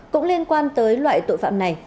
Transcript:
cũng liên quan tới loại tội phạm này